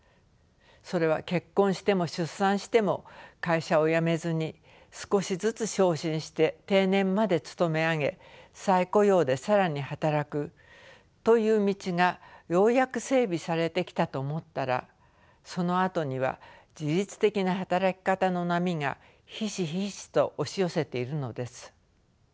それは結婚しても出産しても会社を辞めずに少しずつ昇進して定年まで勤め上げ再雇用で更に働くという道がようやく整備されてきたと思ったらそのあとには自律的な働き方の波がひしひしと押し寄せているのです。